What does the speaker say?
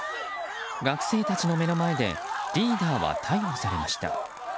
学生たちの目の前でリーダーは逮捕されました。